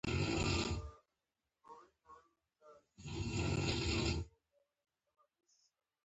زړه سوی یو ښه انساني صفت دی.